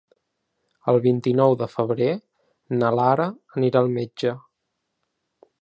El vint-i-nou de febrer na Lara anirà al metge.